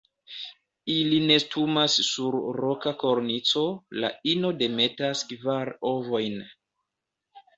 Ili nestumas sur roka kornico; la ino demetas kvar ovojn.